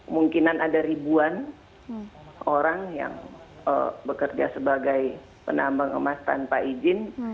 mungkinan ada ribuan orang yang bekerja sebagai penambang emas tanpa izin